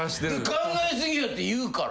考えすぎって言うから。